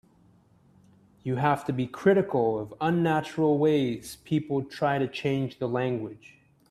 You have to be critical of unnatural ways people try to change the language.